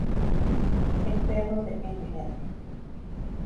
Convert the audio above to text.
El perro de Mr.